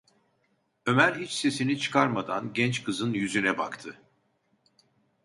Ömer hiç sesini çıkarmadan genç kızın yüzüne baktı.